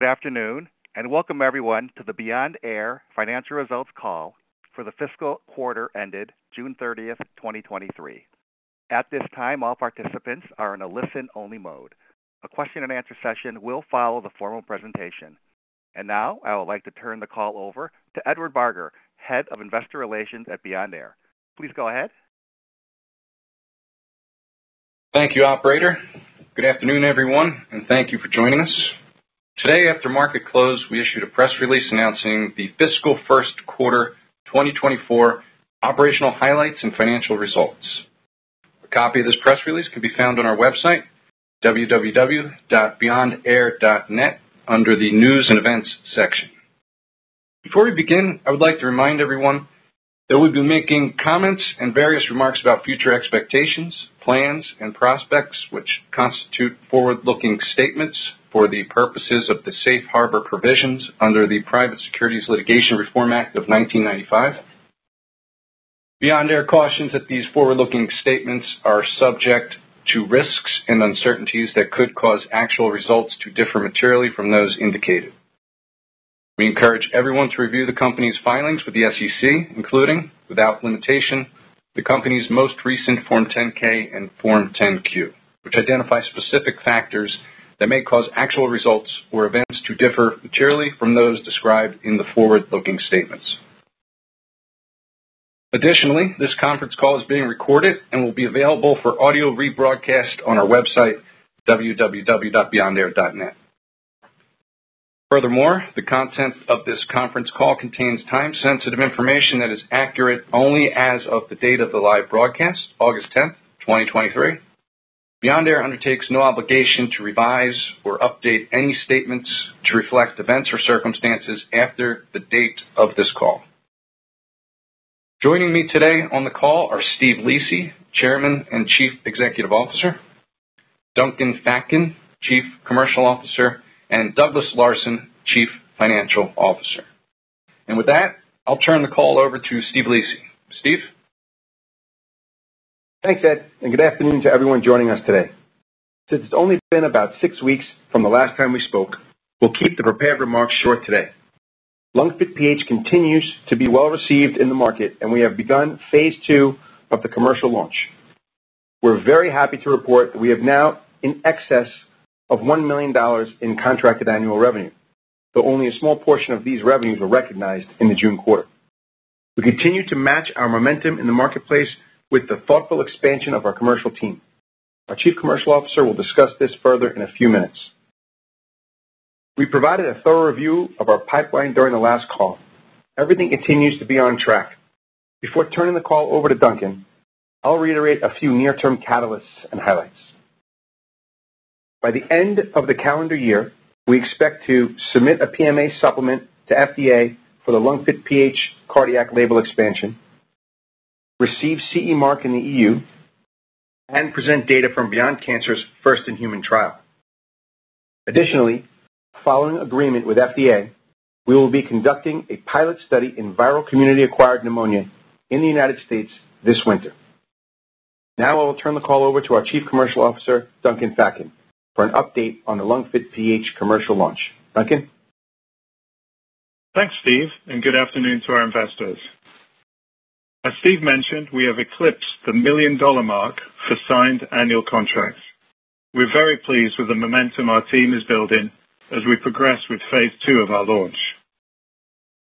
Good afternoon, and welcome, everyone, to the Beyond Air financial results call for the fiscal quarter ended June 30th, 2023. At this time, all participants are in a listen-only mode. A question and answer session will follow the formal presentation. Now I would like to turn the call over to Edward Barger, Head of Investor Relations at Beyond Air. Please go ahead. Thank you, operator. Good afternoon, everyone, thank you for joining us. Today, after market close, we issued a press release announcing the fiscal first quarter 2024 operational highlights and financial results. A copy of this press release can be found on our website, www.beyondair.net, under the News and Events section. Before we begin, I would like to remind everyone that we've been making comments and various remarks about future expectations, plans, and prospects, which constitute forward-looking statements for the purposes of the Safe Harbor Provisions under the Private Securities Litigation Reform Act of 1995. Beyond Air cautions that these forward-looking statements are subject to risks and uncertainties that could cause actual results to differ materially from those indicated. We encourage everyone to review the company's filings with the SEC, including, without limitation, the company's most recent Form 10-K and Form 10-Q, which identify specific factors that may cause actual results or events to differ materially from those described in the forward-looking statements. This conference call is being recorded and will be available for audio rebroadcast on our website, www.beyondair.net. The content of this conference call contains time-sensitive information that is accurate only as of the date of the live broadcast, August 10, 2023. Beyond Air undertakes no obligation to revise or update any statements to reflect events or circumstances after the date of this call. Joining me today on the call are Steve Lisi, Chairman and Chief Executive Officer, Duncan Fatkin, Chief Commercial Officer, and Douglas Larson, Chief Financial Officer. With that, I'll turn the call over to Steve Lisi. Steve? Thanks, Ed. Good afternoon to everyone joining us today. Since it's only been about 6 weeks from the last time we spoke, we'll keep the prepared remarks short today. LungFit PH continues to be well-received in the market, and we have begun phase two of the commercial launch. We're very happy to report that we have now in excess of $1 million in contracted annual revenue, though only a small portion of these revenues were recognized in the June quarter. We continue to match our momentum in the marketplace with the thoughtful expansion of our commercial team. Our Chief Commercial Officer will discuss this further in a few minutes. We provided a thorough review of our pipeline during the last call. Everything continues to be on track. Before turning the call over to Duncan, I'll reiterate a few near-term catalysts and highlights. By the end of the calendar year, we expect to submit a PMA supplement to FDA for the LungFit PH cardiac label expansion, receive CE mark in the EU, and present data from Beyond Cancer's first-in-human trial. Additionally, following agreement with FDA, we will be conducting a pilot study in viral community-acquired pneumonia in the United States this winter. Now I will turn the call over to our Chief Commercial Officer, Duncan Fatkin, for an update on the LungFit PH commercial launch. Duncan? Thanks, Steve. Good afternoon to our investors. As Steve mentioned, we have eclipsed the $1 million mark for signed annual contracts. We're very pleased with the momentum our team is building as we progress with phase ll of our launch.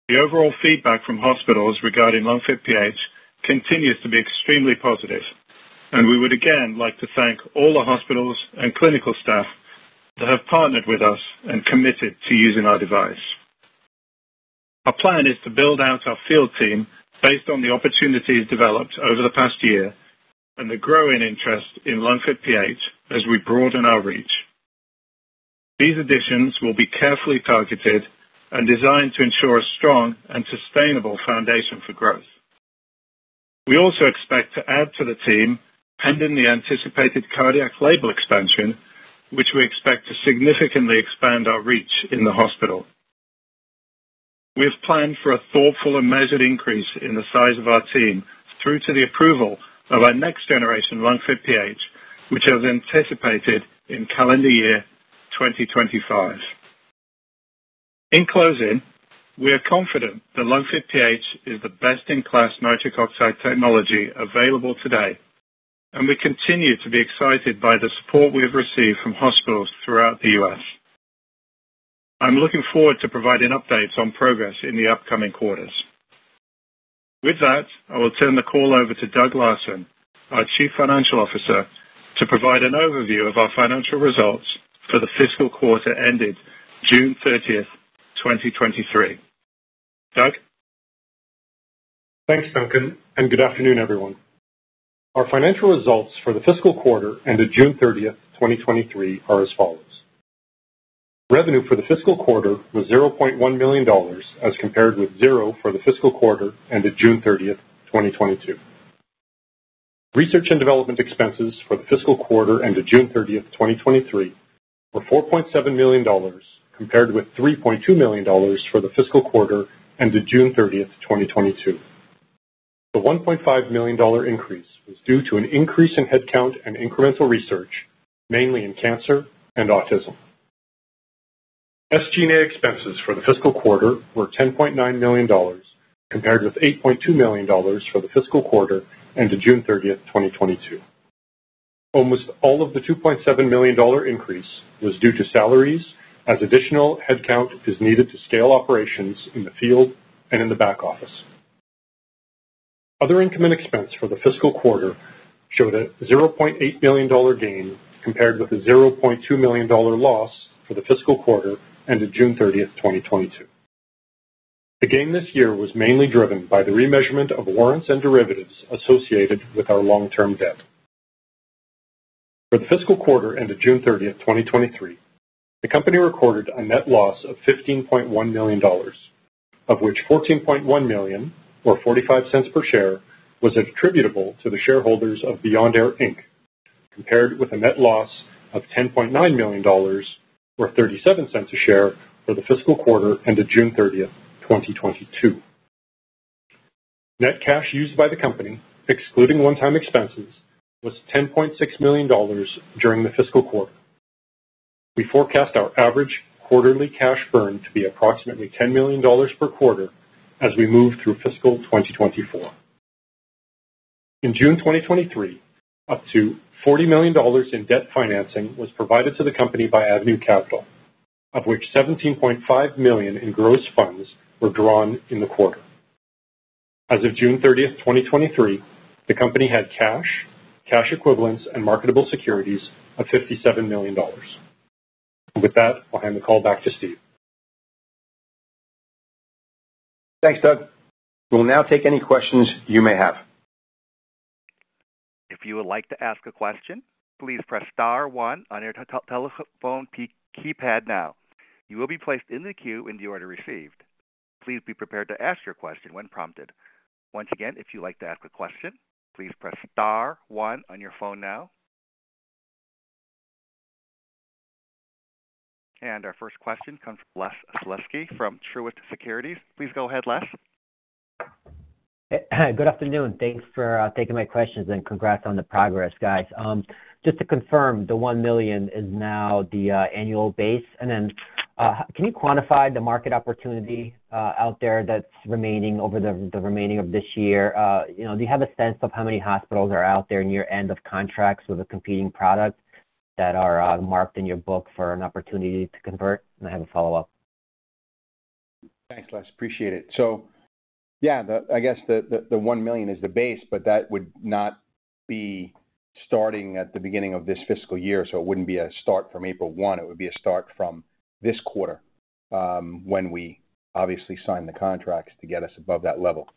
The overall feedback from hospitals regarding LungFit PH continues to be extremely positive, and we would again like to thank all the hospitals and clinical staff that have partnered with us and committed to using our device. Our plan is to build out our field team based on the opportunities developed over the past year and the growing interest in LungFit PH as we broaden our reach. These additions will be carefully targeted and designed to ensure a strong and sustainable foundation for growth. We also expect to add to the team pending the anticipated cardiac label expansion, which we expect to significantly expand our reach in the hospital. We have planned for a thoughtful and measured increase in the size of our team through to the approval of our next generation LungFit PH, which is anticipated in calendar year 2025. In closing, we are confident that LungFit PH is the best-in-class nitric oxide technology available today, and we continue to be excited by the support we have received from hospitals throughout the U.S. I'm looking forward to providing updates on progress in the upcoming quarters. With that, I will turn the call over to Doug Larson, our Chief Financial Officer, to provide an overview of our financial results for the fiscal quarter ended June 30, 2023. Doug? Thanks, Duncan. Good afternoon, everyone. Our financial results for the fiscal quarter ended June 30th, 2023, are as follows: Revenue for the fiscal quarter was $0.1 million, as compared with $0 for the fiscal quarter ended June 30th, 2022. Research and development expenses for the fiscal quarter ended June 30, 2023, were $4.7 million, compared with $3.2 million for the fiscal quarter ended June 30, 2022. The $1.5 million increase was due to an increase in headcount and incremental research, mainly in cancer and autism. SG&A expenses for the fiscal quarter were $10.9 million, compared with $8.2 million for the fiscal quarter ended June 30, 2022. Almost all of the $2.7 million increase was due to salaries, as additional headcount is needed to scale operations in the field and in the back office. Other income and expense for the fiscal quarter showed a $0.8 million gain, compared with a $0.2 million loss for the fiscal quarter ended June 30, 2022. The gain this year was mainly driven by the remeasurement of warrants and derivatives associated with our long-term debt. For the fiscal quarter ended June 30, 2023, the company recorded a net loss of $15.1 million, of which $14.1 million, or $0.45 per share, was attributable to the shareholders of Beyond Air Inc, compared with a net loss of $10.9 million, or $0.37 a share, for the fiscal quarter ended June 30, 2022. Net cash used by the company, excluding one-time expenses, was $10.6 million during the fiscal quarter. We forecast our average quarterly cash burn to be approximately $10 million per quarter as we move through fiscal 2024. In June 2023, up to $40 million in debt financing was provided to the company by Avenue Capital, of which $17.5 million in gross funds were drawn in the quarter. As of June 30, 2023, the company had cash, cash equivalents and marketable securities of $57 million. With that, I'll hand the call back to Steve. Thanks, Doug. We'll now take any questions you may have. If you would like to ask a question, please press star one on your telephone keypad now. You will be placed in the queue in the order received. Please be prepared to ask your question when prompted. Once again, if you'd like to ask a question, please press star one on your phone now. Our first question comes from Les Sulewski from Truist Securities. Please go ahead, Les. Good afternoon. Thanks for taking my questions, and congrats on the progress, guys. Just to confirm, the $1 million is now the annual base. Can you quantify the market opportunity out there that's remaining over the remaining of this year? You know, do you have a sense of how many hospitals are out there near end of contracts with the competing products that are marked in your book for an opportunity to convert? I have a follow-up. Thanks, Les. Appreciate it. Yeah, I guess the $1 million is the base, but that would not be starting at the beginning of this fiscal year. It wouldn't be a start from April 1, it would be a start from this quarter, when we obviously sign the contracts to get us above that level.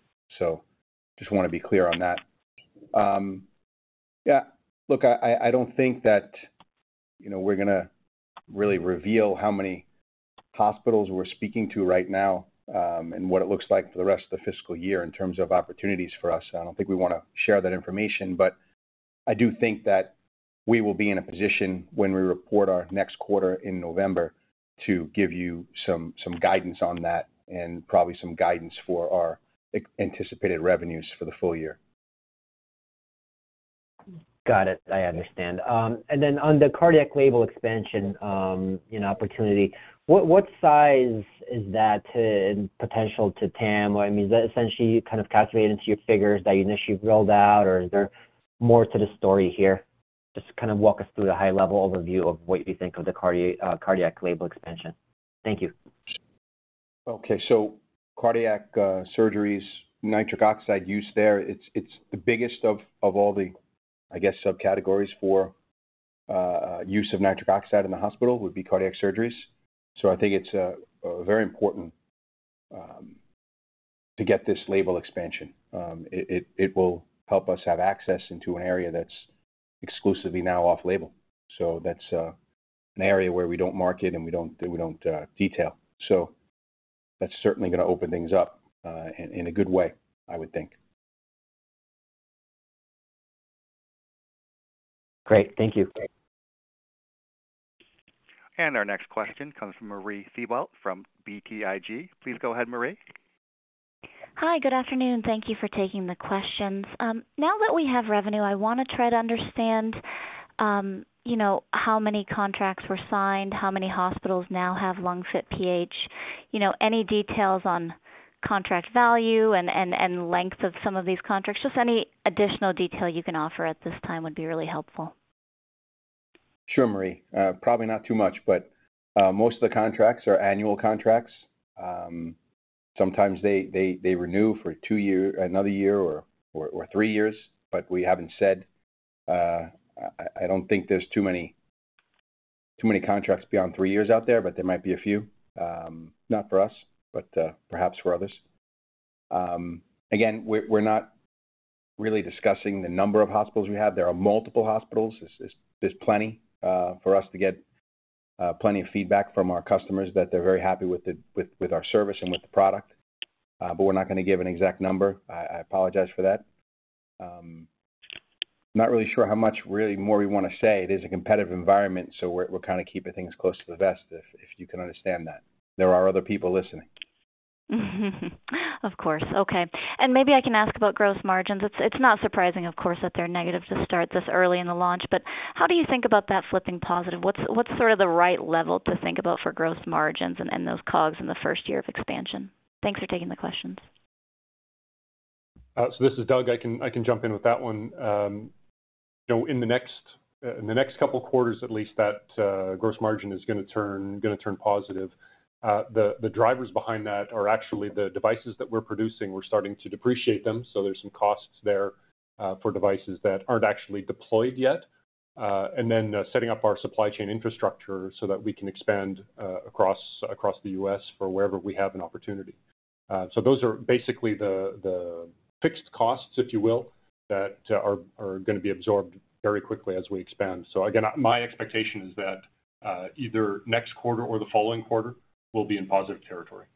Just want to be clear on that. Yeah, look, I, I, I don't think that, you know, we're gonna really reveal how many hospitals we're speaking to right now, and what it looks like for the rest of the fiscal year in terms of opportunities for us. I don't think we want to share that information, but I do think that we will be in a position when we report our next quarter in November to give you some, some guidance on that and probably some guidance for our anticipated revenues for the full year. Got it. I understand. Then on the cardiac label expansion, you know, opportunity, what, what size is that in potential to TAM? I mean, does that essentially kind of calculate into your figures that you initially rolled out, or is there more to the story here? Just kind of walk us through the high-level overview of what you think of the cardiac label expansion. Thank you. Okay. cardiac surgeries, nitric oxide use there, it's, it's the biggest of, of all the, I guess, subcategories for use of nitric oxide in the hospital, would be cardiac surgeries. I think it's very important to get this label expansion. It, it, it will help us have access into an area that's exclusively now off label. That's an area where we don't market and we don't, we don't detail. That's certainly gonna open things up in a good way, I would think. Great. Thank you. Our next question comes from Marie Thibault, from BTIG. Please go ahead, Marie. Hi, good afternoon. Thank you for taking the questions. Now that we have revenue, I want to try to understand, you know, how many contracts were signed, how many hospitals now have LungFit PH. You know, any details on contract value and, and, and length of some of these contracts? Just any additional detail you can offer at this time would be really helpful. Sure, Marie. Probably not too much, most of the contracts are annual contracts. Sometimes they renew for two years, another year or three years, we haven't said. I don't think there's too many contracts beyond 3 years out there, there might be a few. Not for us, perhaps for others. Again, we're not really discussing the number of hospitals we have. There are multiple hospitals. There's plenty for us to get plenty of feedback from our customers that they're very happy with our service and with the product. We're not going to give an exact number. I apologize for that. I'm not really sure how much really more we want to say. It is a competitive environment, we're, we're kind of keeping things close to the vest, if, if you can understand that. There are other people listening. Of course. Okay, maybe I can ask about growth margins. It's, it's not surprising, of course, that they're negative to start this early in the launch, but how do you think about that flipping positive? What's, what's sort of the right level to think about for growth margins and, and those COGS in the first year of expansion? Thanks for taking the questions. So this is Doug. I can, I can jump in with that one. you know, in the next, in the next couple quarters at least, that gross margin is gonna turn, gonna turn positive. The, the drivers behind that are actually the devices that we're producing. We're starting to depreciate them, so there's some costs there, for devices that aren't actually deployed yet. Then, setting up our supply chain infrastructure so that we can expand, across, across the U.S. for wherever we have an opportunity. So those are basically the, the fixed costs, if you will, that are, are gonna be absorbed very quickly as we expand. So again, my expectation is that either next quarter or the following quarter, we'll be in positive territory.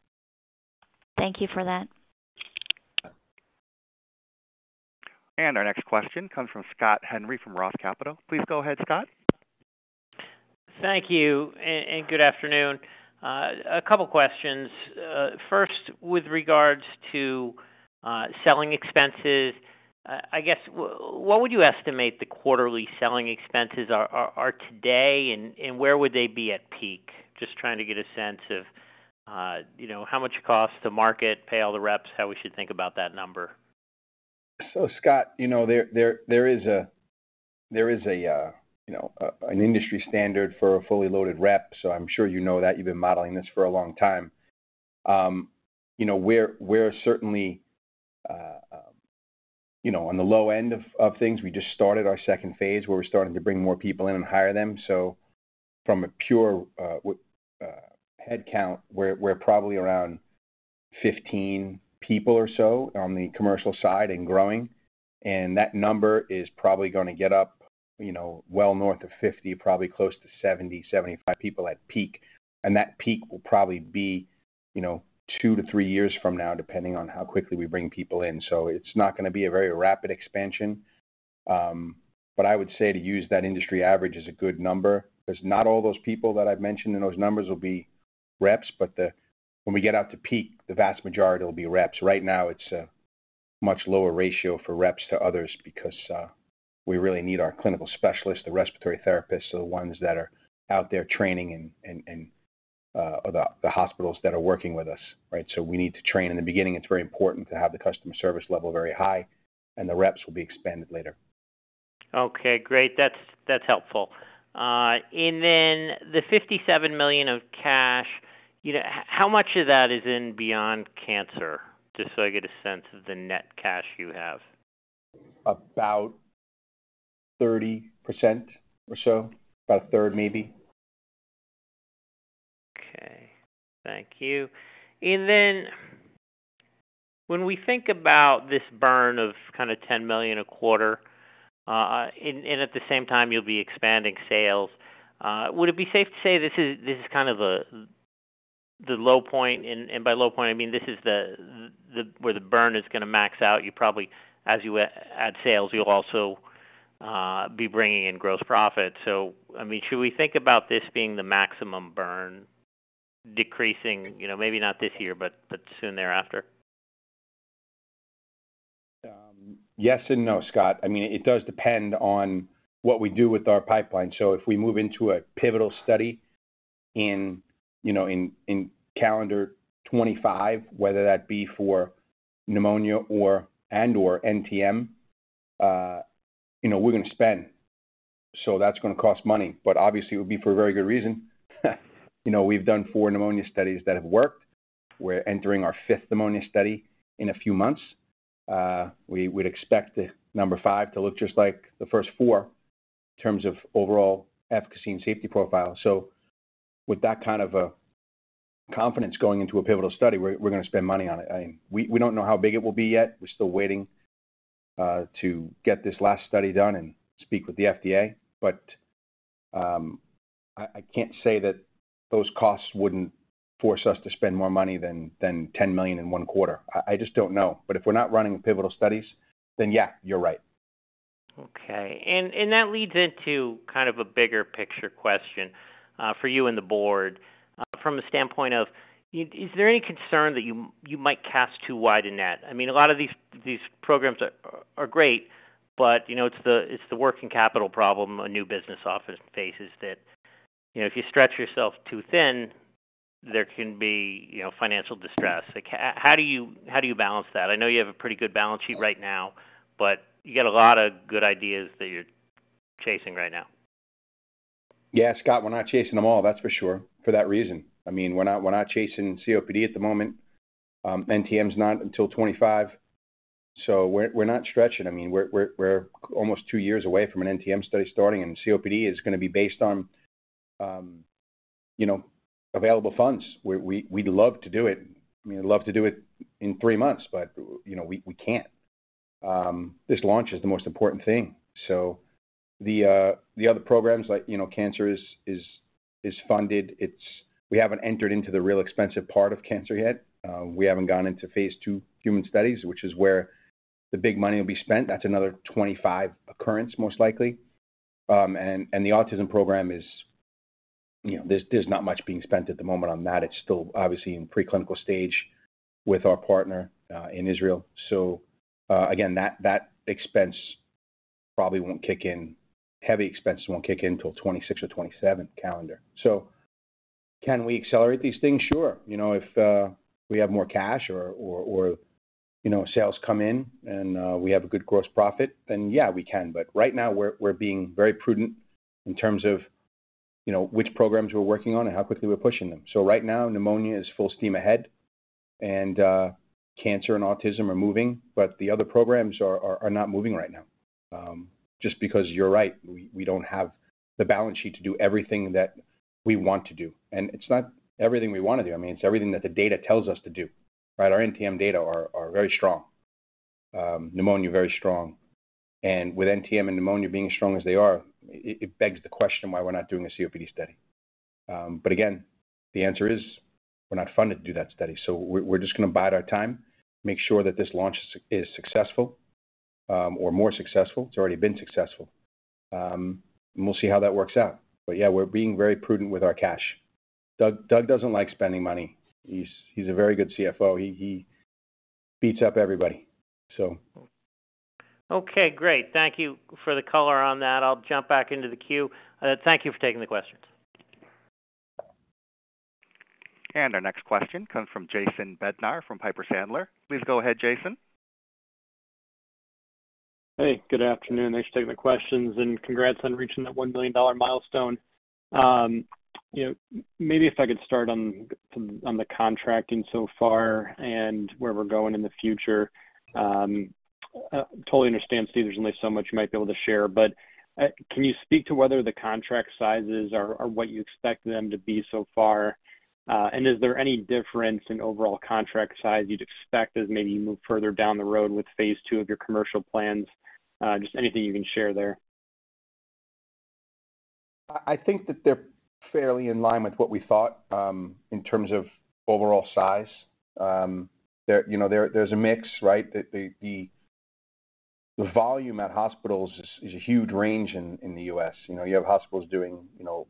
Thank you for that. Our next question comes from Scott Henry, from ROTH Capital Partners. Please go ahead, Scott. Thank you, and good afternoon. A couple questions. First, with regards to selling expenses, what would you estimate the quarterly selling expenses are today, and where would they be at peak? Just trying to get a sense of, you know, how much it costs to market, pay all the reps, how we should think about that number. Scott, you know, there, there, there is a, there is an industry standard for a fully loaded rep, so I'm sure you know that. You've been modeling this for a long time. You know, we're, we're certainly, you know, on the low end of things. We just started our second phase, where we're starting to bring more people in and hire them. From a pure headcount, we're, we're probably around 15 people or so on the commercial side and growing, and that number is probably gonna get up, you know, well north of 50, probably close to 70-75 people at peak. That peak will probably be, you know, two to three years from now, depending on how quickly we bring people in. It's not gonna be a very rapid expansion. I would say to use that industry average is a good number, 'cause not all those people that I've mentioned in those numbers will be reps, but when we get out to peak, the vast majority will be reps. Right now, it's a much lower ratio for reps to others because, we really need our clinical specialists, the respiratory therapists, so the ones that are out there training and, and, the, the hospitals that are working with us, right? We need to train. In the beginning, it's very important to have the customer service level very high, and the reps will be expanded later. Okay, great. That's, that's helpful. Then the $57 million of cash, you know, how much of that is in Beyond Cancer? Just so I get a sense of the net cash you have. About 30% or so, about a third, maybe. Okay, thank you. Then when we think about this burn of kinda $10 million a quarter, and, and at the same time you'll be expanding sales, would it be safe to say this is, this is kind of a, the low point? By low point, I mean, this is the, the... where the burn is gonna max out. You probably, as you add sales, you'll also, be bringing in gross profit. I mean, should we think about this being the maximum burn decreasing, you know, maybe not this year, but soon thereafter? Yes and no, Scott. I mean, it does depend on what we do with our pipeline. If we move into a pivotal study in, you know, in, in calendar 2025, whether that be for pneumonia or, and/or NTM, you know, we're gonna spend. That's gonna cost money, but obviously it would be for a very good reason. You know, we've done four pneumonia studies that have worked. We're entering our fifth pneumonia study in a few months. We would expect the number 5 to look just like the first four in terms of overall efficacy and safety profile. With that kind of confidence going into a pivotal study, we're, we're gonna spend money on it. I mean, we, we don't know how big it will be yet. We're still waiting to get this last study done and speak with the FDA. I can't say that those costs wouldn't force us to spend more money than $10 million in one quarter. I just don't know. If we're not running pivotal studies, then yeah, you're right. That leads into kind of a bigger picture question for you and the board from a standpoint of: Is there any concern that you might cast too wide a net? I mean, a lot of these programs are great, you know, it's the working capital problem a new business office faces that, you know, if you stretch yourself too thin, there can be, you know, financial distress. Like, how do you balance that? I know you have a pretty good balance sheet right now, you got a lot of good ideas that you're chasing right now. Yeah, Scott, we're not chasing them all, that's for sure, for that reason. I mean, we're not, we're not chasing COPD at the moment. NTM's not until 25. We're, we're not stretching. I mean, we're, we're, we're almost two years away from an NTM study starting. COPD is gonna be based on, you know, available funds. We, we, we'd love to do it. We'd love to do it in three months. You know, we, we can't. This launch is the most important thing. The other programs like, you know, cancer is, is, is funded. We haven't entered into the real expensive part of cancer yet. We haven't gone into phase ll human studies, which is where the big money will be spent. That's another 25 occurrence, most likely. The autism program is, you know, there's not much being spent at the moment on that. It's still obviously in preclinical stage with our partner in Israel. Again, that expense probably won't kick in. Heavy expenses won't kick in till 2026 or 2027 calendar. Can we accelerate these things? Sure. You know, if we have more cash or, or, or, you know, sales come in and we have a good gross profit, then, yeah, we can. Right now we're being very prudent in terms of, you know, which programs we're working on and how quickly we're pushing them. Right now, pneumonia is full steam ahead, and cancer and autism are moving, but the other programs are not moving right now. Just because you're right, we, we don't have the balance sheet to do everything that we want to do. It's not everything we want to do. I mean, it's everything that the data tells us to do, right? Our NTM data are very strong. Pneumonia, very strong, and with NTM and pneumonia being as strong as they are, it, it begs the question why we're not doing a COPD study. But again, the answer is we're not funded to do that study, so we're, we're just gonna bide our time, make sure that this launch is successful, or more successful. It's already been successful. We'll see how that works out. Yeah, we're being very prudent with our cash. Doug, Doug doesn't like spending money. He's a very good CFO. He, he beats up everybody, so. Okay, great. Thank you for the color on that. I'll jump back into the queue. Thank you for taking the questions. Our next question comes from Jason Bednar from Piper Sandler. Please go ahead, Jason. Hey, good afternoon. Thanks for taking the questions, and congrats on reaching that $1 million milestone. You know, maybe if I could start on some, on the contracting so far and where we're going in the future. I totally understand, Steve, there's only so much you might be able to share, but can you speak to whether the contract sizes are, are what you expect them to be so far? Is there any difference in overall contract size you'd expect as maybe you move further down the road with phase ll of your commercial plans? Just anything you can share there. I, I think that they're fairly in line with what we thought, in terms of overall size. There, you know, there, there's a mix, right? The, the, the, the volume at hospitals is, is a huge range in, in the US. You know, you have hospitals doing, you know,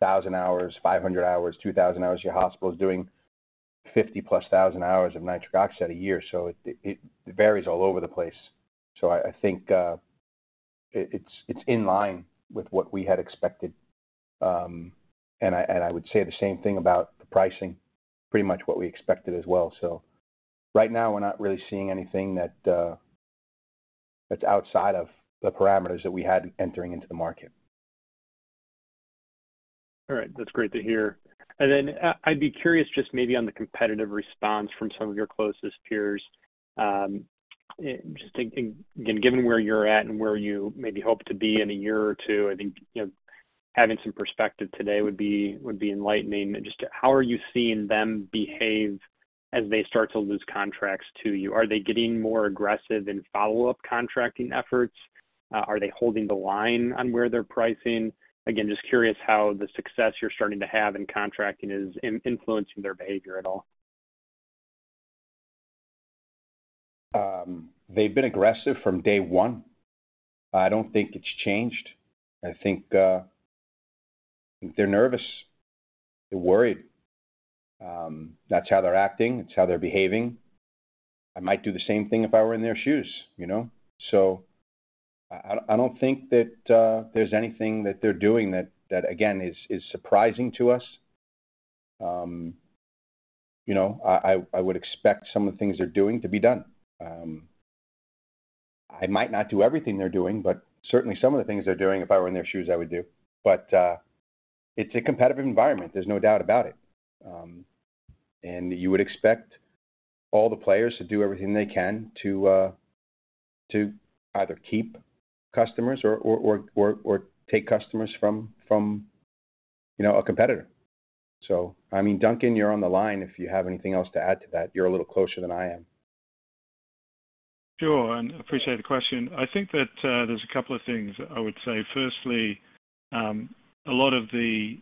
1,000 hours, 500 hours, 2,000 hours. Your hospital is doing 50,000+ hours of nitric oxide a year, so it, it varies all over the place. I, I think, it's, it's in line with what we had expected. And I, and I would say the same thing about the pricing, pretty much what we expected as well. Right now, we're not really seeing anything that, that's outside of the parameters that we had entering into the market. All right, that's great to hear. Then, I'd be curious just maybe on the competitive response from some of your closest peers. Just thinking, again, given where you're at and where you maybe hope to be in a year or two, I think, you know, having some perspective today would be, would be enlightening. Just how are you seeing them behave as they start to lose contracts to you? Are they getting more aggressive in follow-up contracting efforts? Are they holding the line on where they're pricing? Again, just curious how the success you're starting to have in contracting is influencing their behavior at all. They've been aggressive from day one. I don't think it's changed. I think they're nervous. They're worried. That's how they're acting, it's how they're behaving. I might do the same thing if I were in their shoes, you know? I, I don't think that there's anything that they're doing that, that, again, is, is surprising to us. You know, I, I, I would expect some of the things they're doing to be done. I might not do everything they're doing, but certainly some of the things they're doing, if I were in their shoes, I would do. It's a competitive environment. There's no doubt about it. You would expect all the players to do everything they can to either keep customers or, or, or, or, or take customers from, from, you know, a competitor. I mean, Duncan, you're on the line if you have anything else to add to that. You're a little closer than I am. Sure. Appreciate the question. I think that there's a couple of things I would say. Firstly, a lot of the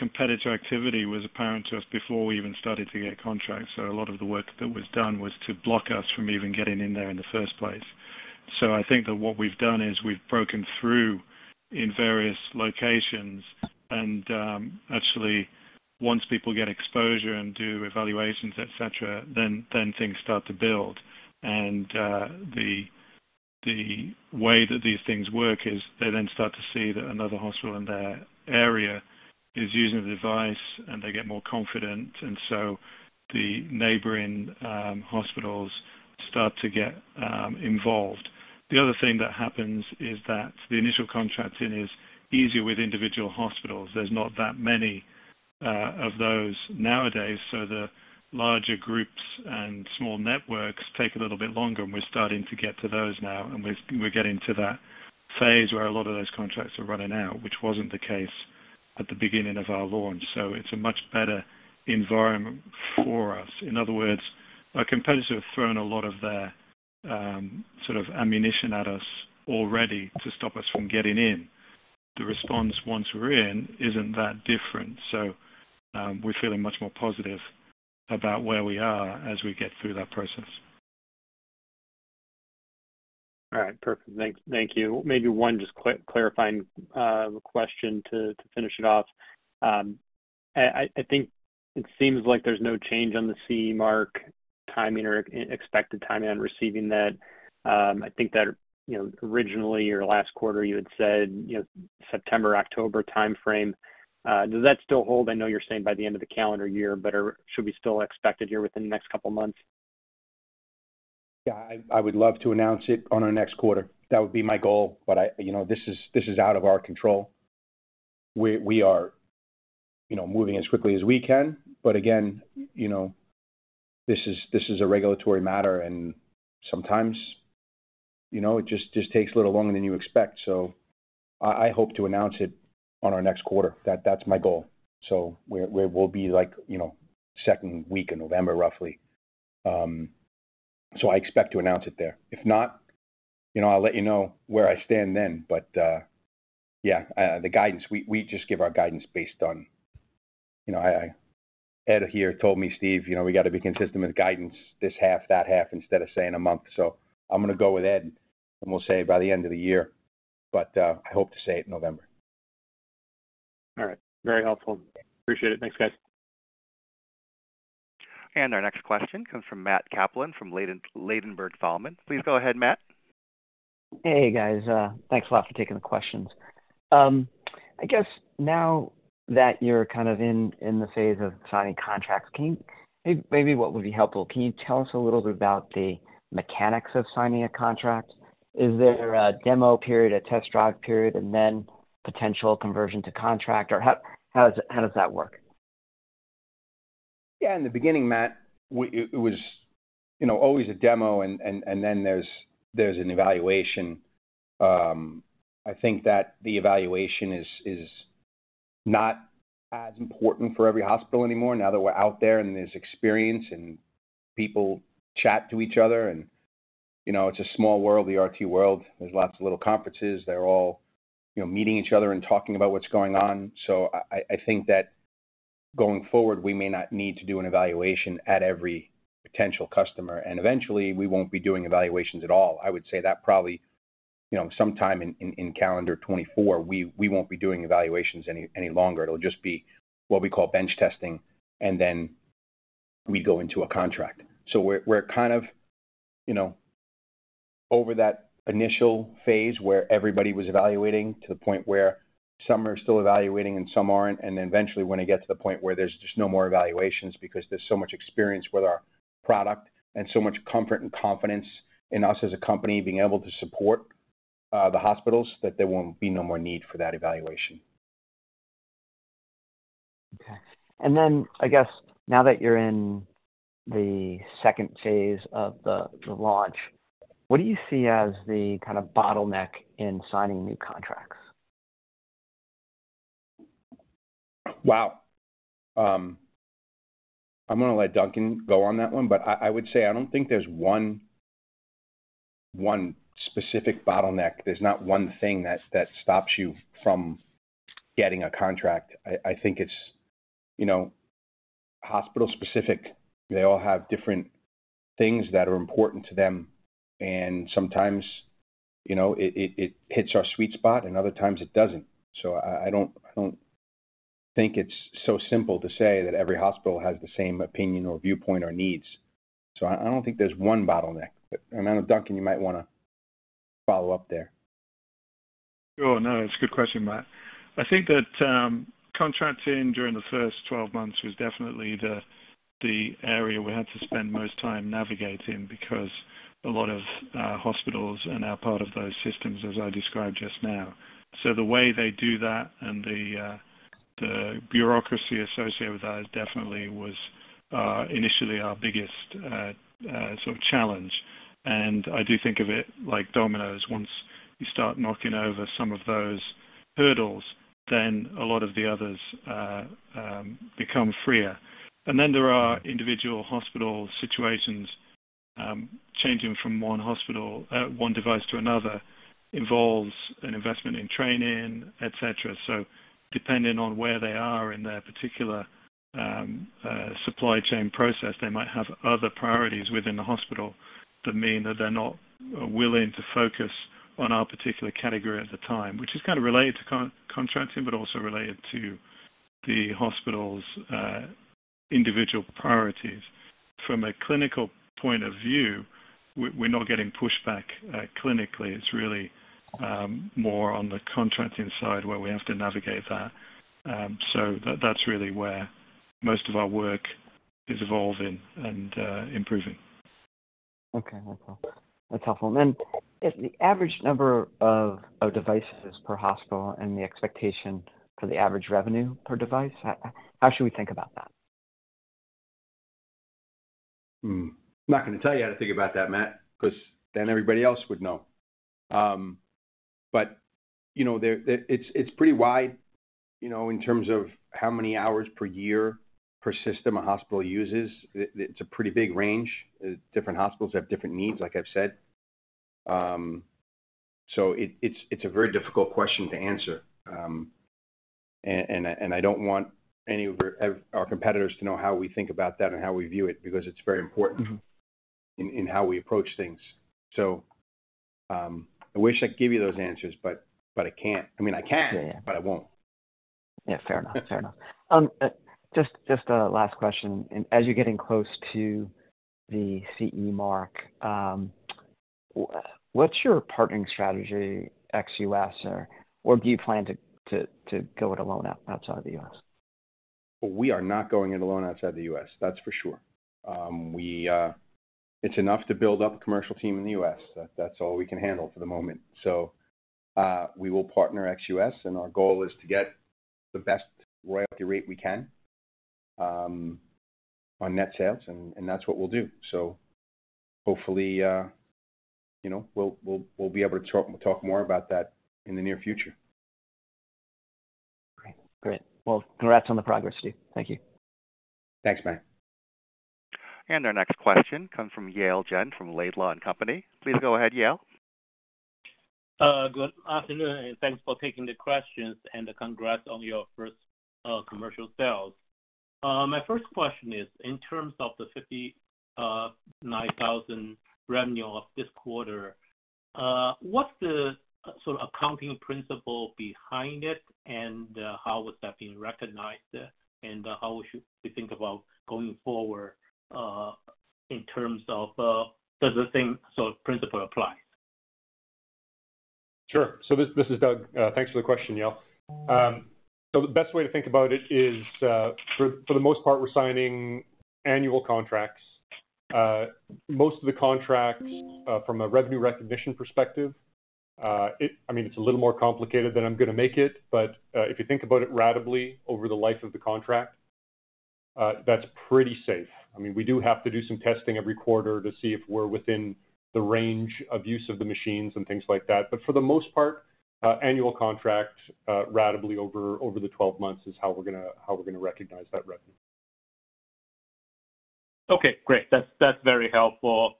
competitor activity was apparent to us before we even started to get contracts. A lot of the work that was done was to block us from even getting in there in the first place. I think that what we've done is we've broken through in various locations, and actually, once people get exposure and do evaluations, et cetera, then, then things start to build. The, the way that these things work is they then start to see that another hospital in their area is using the device, and they get more confident, and so the neighboring hospitals start to get involved. The other thing that happens is that the initial contracting is easier with individual hospitals. There's not that many of those nowadays, so the larger groups and small networks take a little bit longer, and we're starting to get to those now, and we're, we're getting to that phase where a lot of those contracts are running out, which wasn't the case at the beginning of our launch, so it's a much better environment for us. In other words, our competitors have thrown a lot of their sort of ammunition at us already to stop us from getting in. The response, once we're in, isn't that different, so we're feeling much more positive about where we are as we get through that process. All right. Perfect. Thank, thank you. Maybe one just quick clarifying question to finish it off. I, I think it seems like there's no change on the CE mark timing or expected timing on receiving that. I think that, you know, originally or last quarter, you had said, you know, September, October timeframe. Does that still hold? I know you're saying by the end of the calendar year, but should we still expect it here within the next couple of months? Yeah, I, I would love to announce it on our next quarter. That would be my goal, but you know, this is, this is out of our control. We, we are, you know, moving as quickly as we can, but again, you know, this is, this is a regulatory matter, and sometimes, you know, it just, just takes a little longer than you expect. I, I hope to announce it on our next quarter. That, that's my goal. We'll be like, you know, second week in November, roughly. I expect to announce it there. If not, you know, I'll let you know where I stand then. Yeah, the guidance, we, we just give our guidance based on... You know, Ed here told me, "Steve, you know, we got to be consistent with guidance this half, that half, instead of saying a month." I'm gonna go with Ed, and we'll say by the end of the year, but I hope to say it in November. All right. Very helpful. Appreciate it. Thanks, guys. Our next question comes from Matt Kaplan from Ladenburg Thalmann. Please go ahead, Matt. Hey, guys. Thanks a lot for taking the questions. I guess now that you're kind of in, in the phase of signing contracts. Maybe, what would be helpful, can you tell us a little bit about the mechanics of signing a contract? Is there a demo period, a test drive period, and then potential conversion to contract, or how does that work? Yeah, in the beginning, Matt, it, it was, you know, always a demo, and, and, and then there's, there's an evaluation. I think that the evaluation is, is not as important for every hospital anymore now that we're out there, and there's experience, and people chat to each other, and, you know, it's a small world, the RT world. There's lots of little conferences. They're all, you know, meeting each other and talking about what's going on. I, I, I think that going forward, we may not need to do an evaluation at every potential customer, and eventually, we won't be doing evaluations at all. I would say that probably, you know, sometime in, in, in calendar 24, we, we won't be doing evaluations any, any longer. It'll just be what we call bench testing, and then we go into a contract. We're, we're kind of, you know, over that initial phase, where everybody was evaluating, to the point where some are still evaluating and some aren't. Eventually, we're gonna get to the point where there's just no more evaluations because there's so much experience with our product and so much comfort and confidence in us as a company being able to support the hospitals, that there won't be no more need for that evaluation. Okay. I guess now that you're in the second phase of the, the launch, what do you see as the kind of bottleneck in signing new contracts? Wow! I'm gonna let Duncan go on that one, but I, I would say I don't think there's one, one specific bottleneck. There's not one thing that, that stops you from getting a contract. I, I think it's, you know, hospital-specific. They all have different things that are important to them, and sometimes, you know, it, it, it hits our sweet spot, and other times it doesn't. I, I don't, I don't think it's so simple to say that every hospital has the same opinion or viewpoint or needs. I, I don't think there's one bottleneck. I know, Duncan, you might wanna follow up there. Sure. No, it's a good question, Matt. I think that contracting during the first 12 months was definitely the, the area we had to spend most time navigating because a lot of hospitals and are part of those systems, as I described just now. The way they do that and the bureaucracy associated with that definitely was initially our biggest sort of challenge. I do think of it like dominoes. Once you start knocking over some of those hurdles, then a lot of the others become freer. Then there are individual hospital situations, changing from one hospital, one device to another involves an investment in training, et cetera. Depending on where they are in their particular supply chain process, they might have other priorities within the hospital that mean that they're not willing to focus on our particular category at the time, which is kind of related to contracting, but also related to the hospital's individual priorities. From a clinical point of view, we're, we're not getting pushback clinically. It's really more on the contracting side, where we have to navigate that. That, that's really where most of our work is evolving and improving. Okay, wonderful. That's helpful. If the average number of devices per hospital and the expectation for the average revenue per device, how should we think about that? I'm not going to tell you how to think about that, Matt, because then everybody else would know. You know, the, it's pretty wide, you know, in terms of how many hours per year per system a hospital uses. It's a pretty big range. Different hospitals have different needs, like I've said. It's a very difficult question to answer. I don't want any of our, of our competitors to know how we think about that and how we view it, because it's very important in, in how we approach things. I wish I could give you those answers, but, but I can't. I mean, I can- Yeah, yeah. I won't. Yeah, fair enough. Fair enough. Just, just a last question, and as you're getting close to the CE mark, what's your partnering strategy ex-U.S., or, or do you plan to, to, to go it alone outside of the U.S.? We are not going it alone outside the U.S., that's for sure. We... It's enough to build up a commercial team in the U.S. That, that's all we can handle for the moment. We will partner ex-U.S., and our goal is to get the best royalty rate we can on net sales, and, and that's what we'll do. Hopefully, you know, we'll, we'll, we'll be able to talk, talk more about that in the near future. Great. Great. Congrats on the progress, Steve. Thank you. Thanks, Matt. Our next question comes from Yale Jen from Laidlaw & Company. Please go ahead, Yale. Good afternoon, and thanks for taking the questions, and congrats on your first commercial sales. My first question is, in terms of the $59,000 revenue of this quarter, what's the sort of accounting principle behind it, and how is that being recognized, and how should we think about going forward, in terms of, does the same sort of principle apply? Sure. This, this is Doug. Thanks for the question, Yale. The best way to think about it is for, for the most part, we're signing annual contracts. Most of the contracts from a revenue recognition perspective, I mean, it's a little more complicated than I'm going to make it, but if you think about it ratably over the life of the contract, that's pretty safe. I mean, we do have to do some testing every quarter to see if we're within the range of use of the machines and things like that. For the most part, annual contract, ratably over, over the 12 months is how we're going to, how we're going to recognize that revenue. Okay, great. That's, that's very helpful.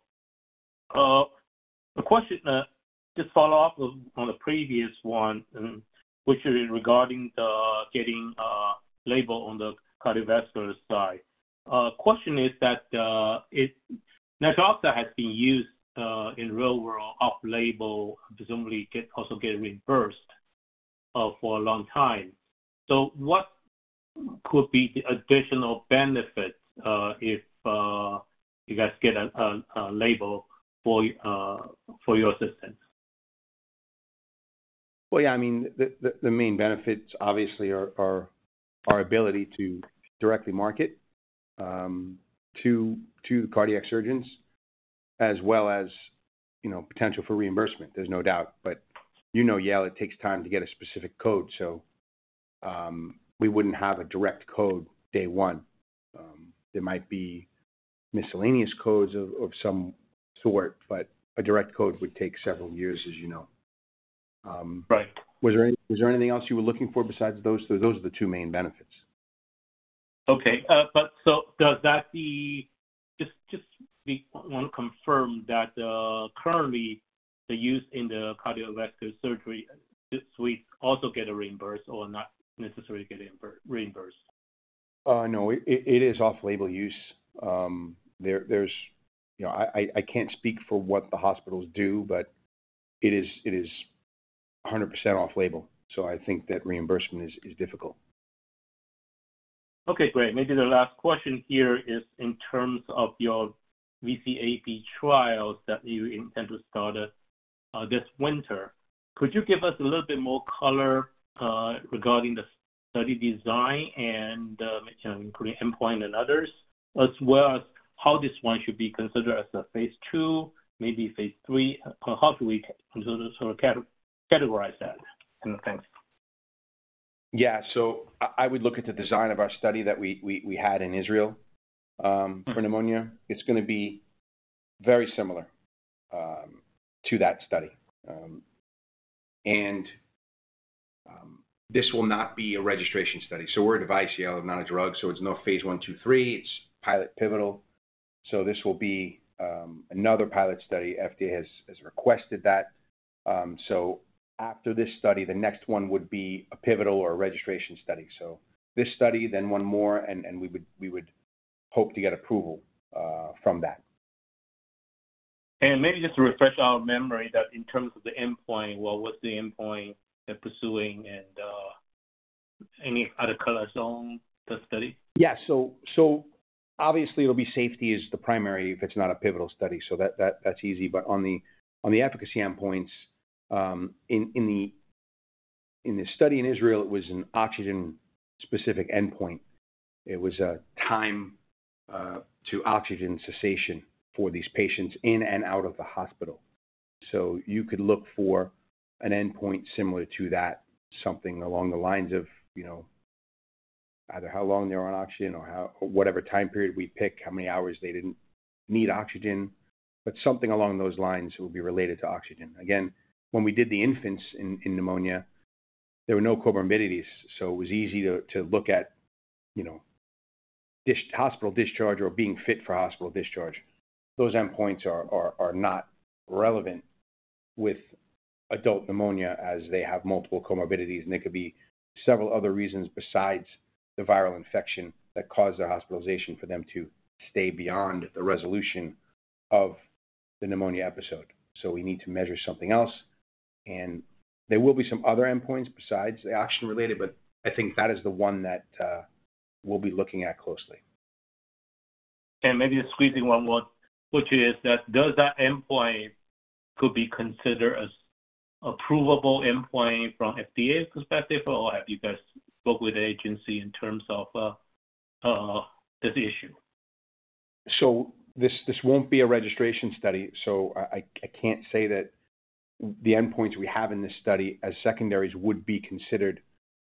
The question, just follow up on, on the previous one, which is regarding the getting label on the cardiovascular side. Question is that, it, INOmax has been used in real world off-label, presumably get, also get reimbursed for a long time. What could be the additional benefit if you guys get a label for your system? Well, yeah, I mean, the, the, the main benefits obviously are, are our ability to directly market, to, to cardiac surgeons, as well as, you know, potential for reimbursement. There's no doubt, but you know, Yale, it takes time to get a specific code, so, we wouldn't have a direct code day one. There might be miscellaneous codes of, of some sort, but a direct code would take several years, as you know. Right. Was there any, was there anything else you were looking for besides those? Those are the two main benefits. Okay, does that, just, just to confirm that, currently, the use in the cardiovascular surgery, this will also get a reimbursed or not necessarily get reimbursed? No, it is off-label use. There's... You know, I can't speak for what the hospitals do, but it is 100% off label, so I think that reimbursement is difficult. Okay, great. Maybe the last question here is in terms of your VCAP trials that you intend to start this winter. Could you give us a little bit more color regarding the study design and making the endpoint and others, as well as how this one should be considered as a phase ll, maybe phase lll? How do we sort of categorize that? Thanks. Yeah. I, I would look at the design of our study that we, we, we had in Israel for pneumonia. It's going to be very similar to that study. This will not be a registration study. We're a device, Yale, not a drug, so it's not phase l, ll, lll. It's pilot pivotal, so this will be another pilot study. FDA has requested that. After this study, the next one would be a pivotal or a registration study. This study, then one more, and we would hope to get approval from that. Maybe just to refresh our memory, that in terms of the endpoint, well, what's the endpoint they're pursuing, and any other color on the study? Yeah. Obviously, it'll be safety is the primary if it's not a pivotal study. That's easy. On the efficacy endpoints, in the study in Israel, it was an oxygen-specific endpoint. It was a time to oxygen cessation for these patients in and out of the hospital. You could look for an endpoint similar to that, something along the lines of, you know, either how long they're on oxygen or whatever time period we pick, how many hours they didn't need oxygen. Something along those lines will be related to oxygen. Again, when we did the infants in pneumonia, there were no comorbidities, so it was easy to look at, you know, hospital discharge or being fit for hospital discharge. Those endpoints are not relevant with adult pneumonia, as they have multiple comorbidities, and there could be several other reasons besides the viral infection that caused their hospitalization for them to stay beyond the resolution of the pneumonia episode. We need to measure something else, and there will be some other endpoints besides the oxygen-related, but I think that is the one that we'll be looking at closely. Maybe a squeezing one more, which is that, does that endpoint could be considered as approvable endpoint from FDA's perspective, or have you guys spoke with the agency in terms of this issue? This, this won't be a registration study, so I, I, I can't say that the endpoints we have in this study as secondaries would be considered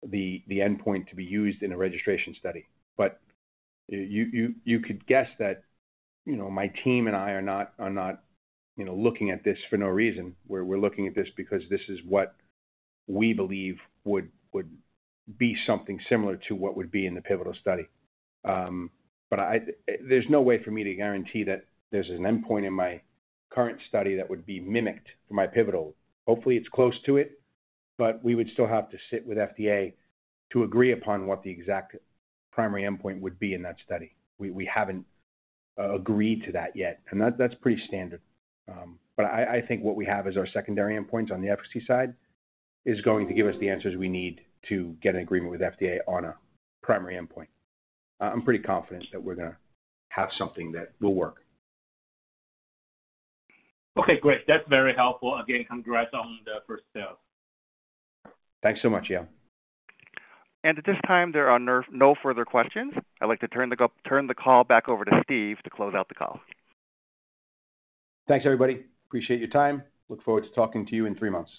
the, the endpoint to be used in a registration study. You, you, you could guess that, you know, my team and I are not, are not, you know, looking at this for no reason. We're, we're looking at this because this is what we believe would, would be something similar to what would be in the pivotal study. I, there's no way for me to guarantee that there's an endpoint in my current study that would be mimicked for my pivotal. Hopefully, it's close to it, but we would still have to sit with FDA to agree upon what the exact primary endpoint would be in that study. We, we haven't agreed to that yet, and that, that's pretty standard. I, I think what we have as our secondary endpoints on the efficacy side is going to give us the answers we need to get an agreement with FDA on a primary endpoint. I, I'm pretty confident that we're gonna have something that will work. Okay, great. That's very helpful. Again, congrats on the first sale. Thanks so much, yeah. At this time, there are no further questions. I'd like to turn the call back over to Steve to close out the call. Thanks, everybody. Appreciate your time. Look forward to talking to you in three months.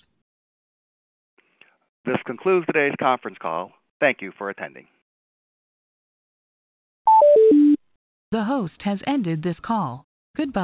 This concludes today's conference call. Thank you for attending. The host has ended this call. Goodbye.